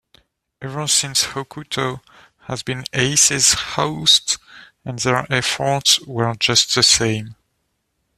Ever since Hokuto has been Ace's host and their efforts were just the same.